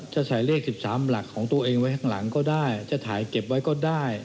จะใส่เลข๑๓หลักของตัวเองไว้ข้างหลังก็ได้จะถ่ายเก็บไว้ก็ได้